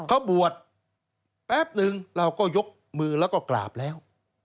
เขาบวชแป๊บนึงเราก็ยกมือแล้วก็กราบแล้ว